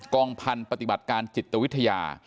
องพันธุ์ปฏิบัติการจิตวิทยา